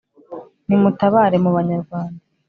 Nimutabare mu banyarwanda